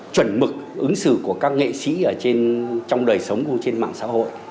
chuẩn mực ứng xử của các nghệ sĩ trong đời sống trên mạng xã hội